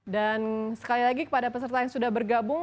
dan sekali lagi kepada peserta yang sudah bergabung